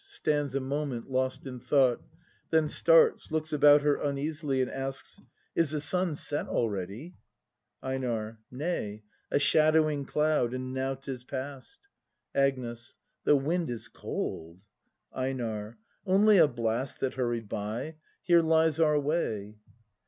[Stands a moment lost in thought; then starts, looks about her uneasily, and asks.] Is the sun set already? EiNAR. Nay, A shadowing cloud; and now 'tis past. Agnes. The wind is cold! EiNAR. Only a blast That hurried by. Here lies our way.